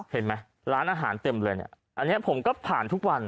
เห็นไหมร้านอาหารเต็มเลยเนี่ยอันนี้ผมก็ผ่านทุกวัน